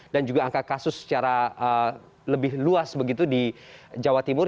dan juga angka kasus secara lebih luas begitu di jawa timur